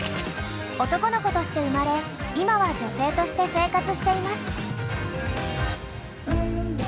男の子として生まれ今は女性として生活しています。